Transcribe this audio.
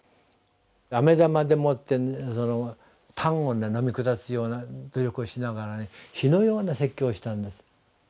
あめ玉でもってたんを飲み下すような努力をしながら火のような説教をしたんです。